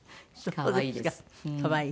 可愛い？